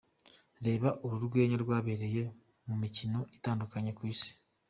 Reba uru rwenya rwabereye mu mikino itandukanye ku isi:.